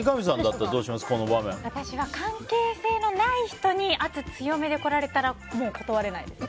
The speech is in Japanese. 私は関係性のない人に圧強めで来られたらもう、断れないです。